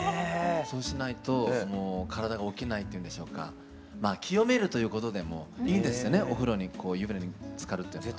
そうしないともう体が起きないっていうんでしょうかまあ清めるということでもいいんですよねお風呂に湯船につかるっていうのは。